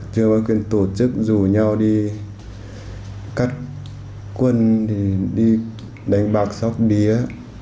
chưa có quyền tổ chức rủ nhau đi cắt quân đi đánh bạc sóc đĩa